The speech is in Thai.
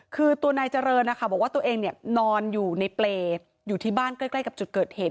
คือตัวนายเจริญนะคะบอกว่าตัวเองนอนอยู่ในเปรย์อยู่ที่บ้านใกล้กับจุดเกิดเหตุ